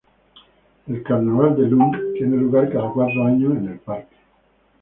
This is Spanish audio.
El carnaval de Lund tiene lugar cada cuatro años en el parque.